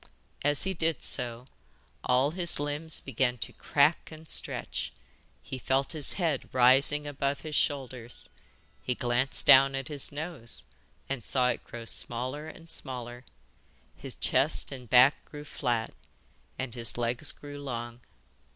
As he did so, all his limbs began to crack and stretch; he felt his head rising above his shoulders; he glanced down at his nose, and saw it grow smaller and smaller; his chest and back grew flat, and his legs grew long.